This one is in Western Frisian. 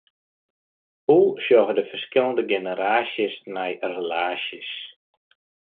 Hoe sjogge de ferskillende generaasjes nei relaasjes?